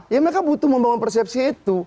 ya mereka butuh membangun persepsi itu